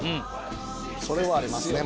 それはありますね